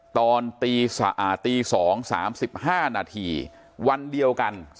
ตอนตี๒๓๕นาทีวันเดียวกัน